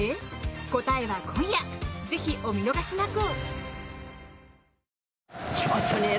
答えは今夜、ぜひお見逃しなく！